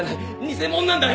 偽者なんだよ！